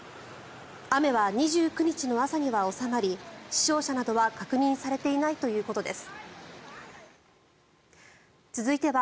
雨は２９日の朝には収まり死傷者などは確認されていないということです。